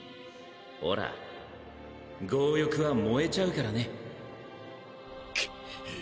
ほら剛翼は燃えちゃうかクッ。